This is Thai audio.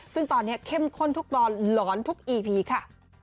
ซึ่งตอนนี้เข้มข้นทุกตอนหลอนทุกอีพีค่ะ